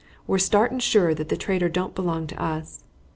We're sartin sure that the traitor don't belong to us.